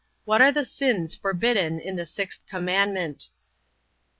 What are the sins forbidden in the sixth commandment?